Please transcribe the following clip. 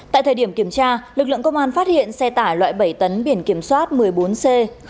tại thời điểm kiểm tra lực lượng công an phát hiện xe tải loại bảy tấn biển kiểm soát một mươi bốn c sáu nghìn một trăm tám mươi bốn